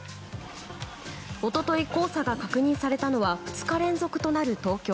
一昨日、黄砂が確認されたのは２日連続となる東京。